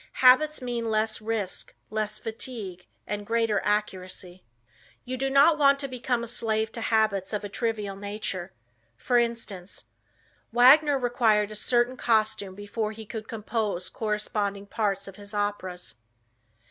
Habits mean less risk, less fatigue, and greater accuracy. "You do not want to become a slave to habits of a trivial nature. For instance, Wagner required a certain costume before he could compose corresponding parts of his operas.